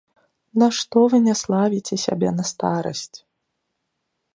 Нашто вы няславіце сябе на старасць?